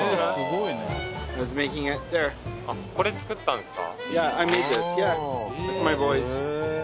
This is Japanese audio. これ作ったんですか？